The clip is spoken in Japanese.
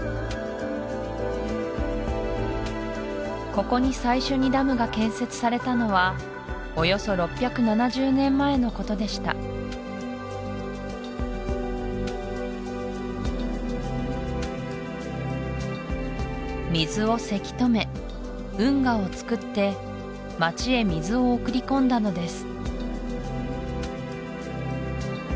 ここに最初にダムが建設されたのはおよそ６７０年前のことでした水をせき止め運河をつくって街へ水を送りこんだのです